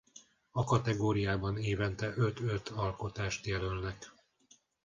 A kategóriában évente öt-öt alkotást jelölnek.